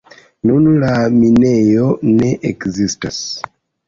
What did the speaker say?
Nun la minejo ne ekzistas.